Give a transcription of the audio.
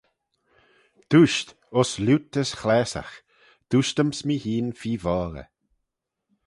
Dooisht, uss lute as chlaasagh: dooisht-yms mee hene feer voghey.